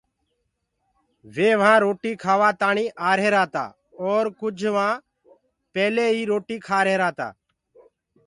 وي وهآنٚ روٽي کآوآ تآڻي آهيرآ تآ اور ڪُج وهآنٚ پيلي ئي روٽي کآرهيرآ تآ۔